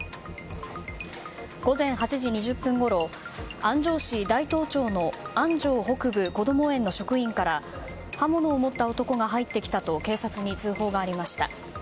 午前８時２０分ごろ安城市大東町の安城北部こども園の職員から刃物を持った男が入ってきたと警察に通報がありました。